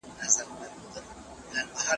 دا هغه کتاب دی چي اګوستين ليکلی دی.